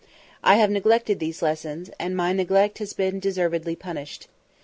I have neglected these lessons; and my neglect has been deservedly punished.